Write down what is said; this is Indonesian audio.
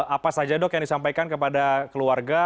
apa saja dok yang disampaikan kepada keluarga